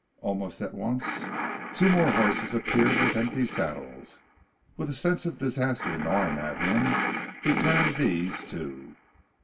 Almost at once, two more horses appeared with empty saddles. With a sense of disaster gnawing at him, he turned these, too.